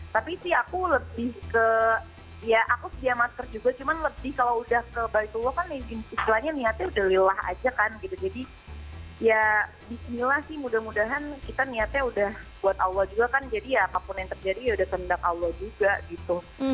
tapi sih aku lebih ke ya aku sedia masker juga cuman lebih kalau udah ke baitullah kan istilahnya niatnya udah lelah aja kan gitu jadi ya bismillah sih mudah mudahan kita niatnya udah buat allah juga kan jadi ya apapun yang terjadi yaudah kehendak allah juga gitu